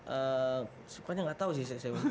ee sukanya nggak tau sih saya